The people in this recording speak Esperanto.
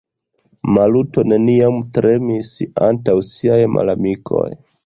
Maluto neniam tremis antaŭ siaj malamikoj.